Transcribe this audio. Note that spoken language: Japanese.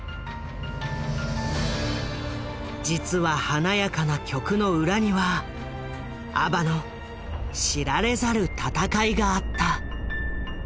実は華やかな曲の裏にはＡＢＢＡの知られざる闘いがあった。